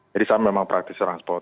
jadi saya memang praktisi transport